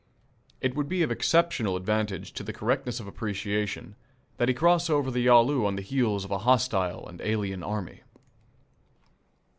It would be of exceptional advantage to the correctness of appreciation did he cross over the Yalu on the heels of a hostile and alien army.